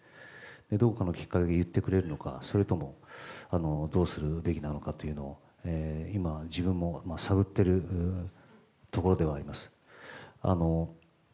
どこかのきっかけで言ってくれるのか、それともどうすべきなのかということを今、自分も探っているところではあります。